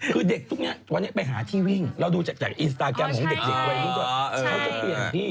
คือเด็กพวกนี้วันนี้ไปหาที่วิ่งเราดูจากอินสตาแกรมของเด็กวัยรุ่นด้วยเขาก็เปลี่ยนพี่